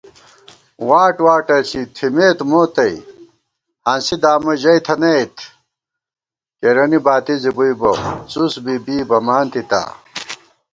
واٹ واٹہ ݪی تھمېت مو تئ، ہانسی دامہ ژَئی تھنَئیت * کېرَنی باتی زی بُوئی بہ، څُس بی بی بَمان تِتا